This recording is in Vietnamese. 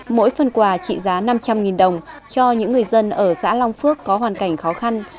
mỗi phần quà trị giá năm trăm linh đồng cho những người dân ở xã long phước có hoàn cảnh khó khăn